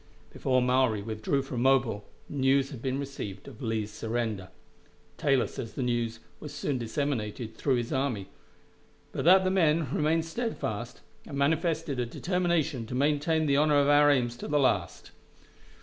Before Maury withdrew from Mobile, news had been received of Lee's surrender. Taylor says the news was soon disseminated through his army, but that the men remained steadfast, and manifested a determination to maintain the honor of our aims to the last.